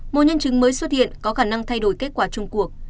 một nhân chứng mới xuất hiện có khả năng thay đổi kết quả chung cuộc